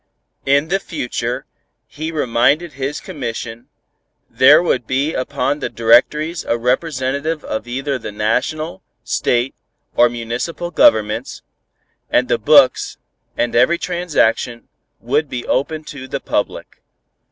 In the future, he reminded his commission, there would be upon the directorates a representative of either the National, State, or Municipal governments, and the books, and every transaction, would be open to the public.